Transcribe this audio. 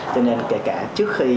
cho nên kể cả trước khi